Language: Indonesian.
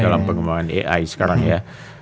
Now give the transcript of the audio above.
dalam pengembangan ai sekarang ya